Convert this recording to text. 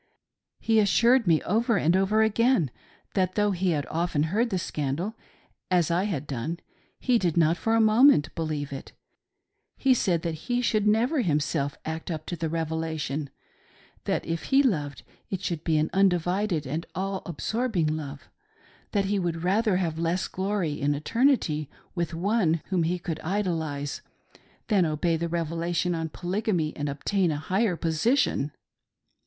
He assured me over and over again that though he had often heard the scandal — as I had done — he did not for a moment believe it ; he said that he should never himself act up to the Revelation ; that if he loved it should 'be an undivided and all absorbing love j that he would rather have less glory in eternity, with one whom he could idolize^ than obey the Revelation on Polygamy, and obtain a higher position.